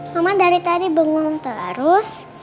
mama dari tadi bingung terus